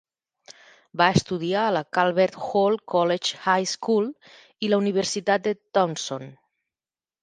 Va estudiar a la Calvert Hall College High School i la Universitat de Towson.